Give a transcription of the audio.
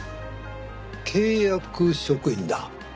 契約職員だ。